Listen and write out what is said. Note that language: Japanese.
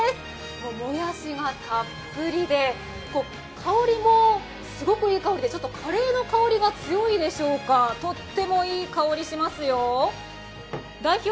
もやしがたっぷりで、香りもすごくいい香りでちょっとカレーの香りが強いでしょうか、とってもいい香りしますよ、代表